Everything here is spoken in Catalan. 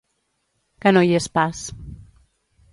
Que no hi és pas.